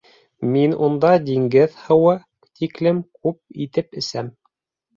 Мин унда диңгеҙ һыуы тиклем күп итеп әсәм.